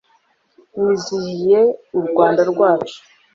mwizihiye u rwanda rwacu